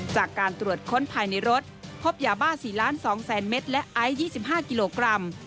จากการตรวจค้นภายในรถพบยาบ้า๔๒๐๐๐เมตรและไอซ์๒๕กิโลกรัม